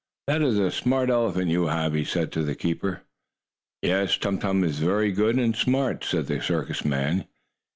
"That is a smart elephant you have," he said to the keeper. "Yes, Tum Tum is very good and smart," said the circus man.